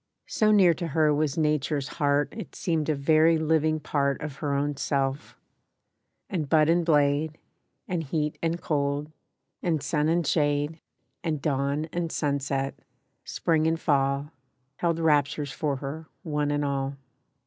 So near to her was Nature's heart It seemed a very living part Of her own self; and bud and blade, And heat and cold, and sun and shade, And dawn and sunset, Spring and Fall, Held raptures for her, one and all.